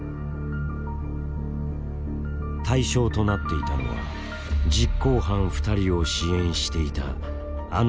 対象となっていたのは実行犯２人を支援していたあのバイユーミー氏だった。